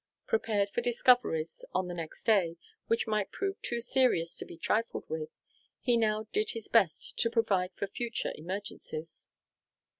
Prepared for discoveries, on the next day, which might prove too serious to be trifled with, he now did his best to provide for future emergencies.